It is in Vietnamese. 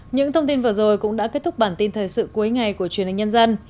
những thông tin vừa rồi cũng đã kết thúc bản tin thời sự cuối ngày của truyền hình nhân dân